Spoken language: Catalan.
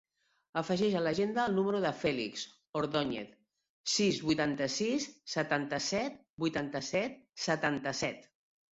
Afegeix a l'agenda el número del Fèlix Ordoñez: sis, vuitanta-sis, setanta-set, vuitanta-set, setanta-set.